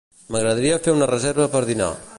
M'agradaria fer una reserva per dinar.